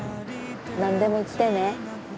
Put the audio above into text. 何でも言ってね。